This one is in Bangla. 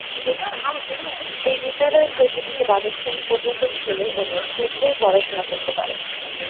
এই বিদ্যালয়ে কেজি থেকে দ্বাদশ শ্রেণি পর্যন্ত ছেলে ও মেয়ে উভয়ই পড়াশোনা করতে পারে।